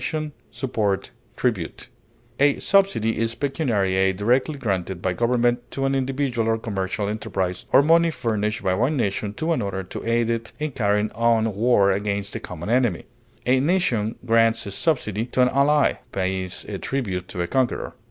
bonus, grant, premium, A subsidy is pecuniary aid directly granted by government to an individual or commercial enterprise, or money furnished by one nation to another to aid it in carrying on war against a common enemy. A nation grants a subsidy to an ally, pays a tribute to a conqueror.